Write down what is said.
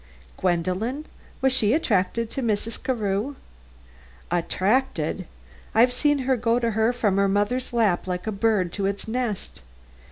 "Gwendolen? Was she attracted to Mrs. Carew?" "Attracted? I've seen her go to her from her mother's lap like a bird to its nest.